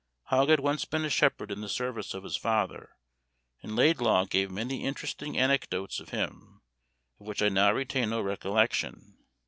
Hogg had once been a shepherd in the service of his father, and Laidlaw gave many interesting anecdotes of him, of which I now retain no recollection.